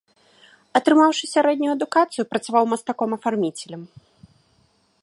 Атрымаўшы сярэднюю адукацыю, працаваў мастаком-афарміцелем.